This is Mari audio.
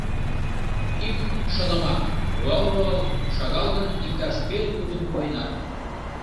Ик шылымак, руал-руал, шагал гын иктаж пел пудым пуэнам.